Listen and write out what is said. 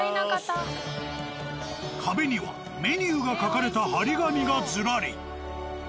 壁にはメニューが書かれた貼り紙がずらり。